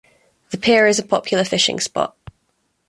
The pier is a popular fishing spot.